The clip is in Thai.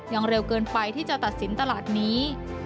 เร็วเกินไปที่จะตัดสินตลาดนี้